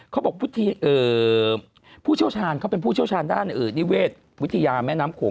เขาเป็นผู้เชี่ยวชาญด้านนิเวศวิทยาแม่น้ำโขง